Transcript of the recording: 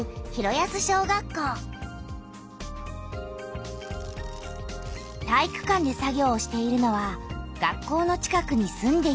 体育館で作業をしているのは学校の近くに住んでいる人たち。